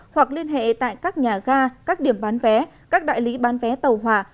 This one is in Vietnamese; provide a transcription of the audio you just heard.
hoặc liên hệ tại các nhà ga các điểm bán vé các đại lý bán vé tàu hỏa